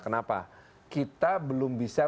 kenapa kita belum bisa